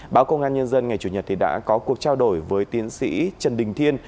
báo công an nhân dân ngày chủ nhật đã có cuộc trao đổi với tiến sĩ trần đình thiên